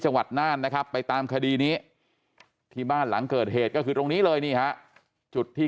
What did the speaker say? น่านนะครับไปตามคดีนี้ที่บ้านหลังเกิดเหตุก็คือตรงนี้เลยนี่ฮะจุดที่